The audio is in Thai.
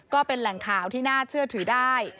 ก็เป็นแหล่งข่าวที่น่าเชื่อถือได้